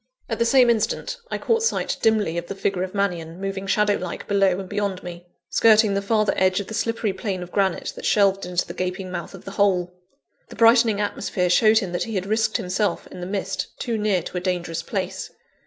At the same instant, I caught sight dimly of the figure of Mannion, moving shadow like below and beyond me, skirting the farther edge of the slippery plane of granite that shelved into the gaping mouth of the hole. The brightening atmosphere showed him that he had risked himself, in the mist, too near to a dangerous place.